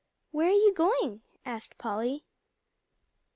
"Where are you going?" asked Polly.